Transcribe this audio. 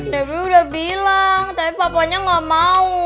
debbie udah bilang tapi papanya ga mau